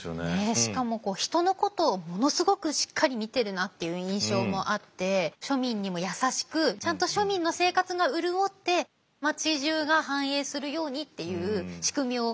しかも人のことをものすごくしっかり見てるなっていう印象もあって庶民にも優しくちゃんと庶民の生活が潤って町じゅうが繁栄するようにっていう仕組みを考えられたんでしょうね。